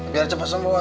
biar cepet sembuh ya